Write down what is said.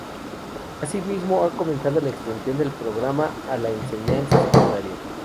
Asimismo, ha comenzado la extensión del programa a la enseñanza secundaria.